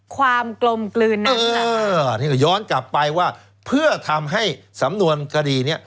ความกลมกลืนนั้นน่ะเออนี่ก็ย้อนกลับไปว่าเพื่อทำให้สำนวนคดีเนี้ย